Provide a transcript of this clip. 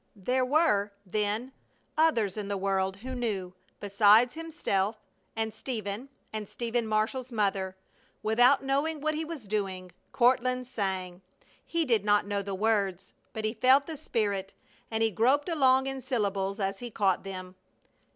There were, then, others in the world who knew, besides himself and Stephen and Stephen Marshall's mother! Without knowing what he was doing, Courtland sang. He did not know the words, but he felt the spirit, and he groped along in syllables as he caught them.